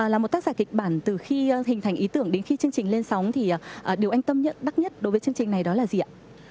là một tác giả kịch bản từ khi hình thành ý tưởng đến khi chương trình lên sóng thì điều anh tâm nhận đắt nhất đối với chương trình này đó là gì ạ